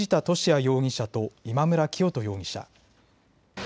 容疑者と今村磨人容疑者。